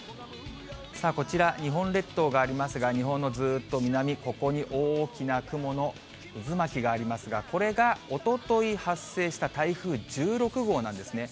こちら、日本列島がありますが、日本のずっと南、ここに大きな雲の渦巻きがありますが、これがおととい発生した台風１６号なんですね。